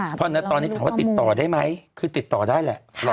เพราะฉะนั้นตอนนี้ถามว่าติดต่อได้ไหมคือติดต่อได้แหละ